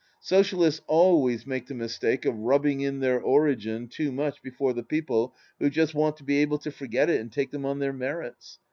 Socialists always make the mistake of rubbing in their origin too much before the people who just want to be able to forget it and take them on their merits.